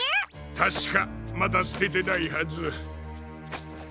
たしかまだすててないはず。